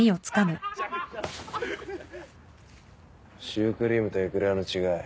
シュークリームとエクレアの違い